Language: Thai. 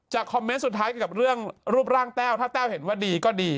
คอมเมนต์สุดท้ายเกี่ยวกับเรื่องรูปร่างแต้วถ้าแต้วเห็นว่าดีก็ดี